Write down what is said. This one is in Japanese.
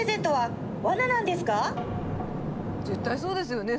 絶対そうですよね